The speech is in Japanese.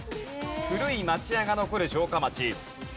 古い町家が残る城下町。